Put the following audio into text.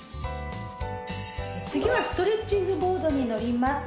次はストレッチングボードに乗ります。